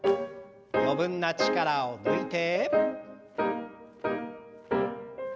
余分な力を抜いて。